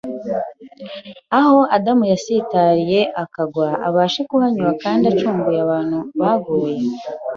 aho Adamu yasitariye akagwa, abashe kuhanyura kandi acungure abantu baguye.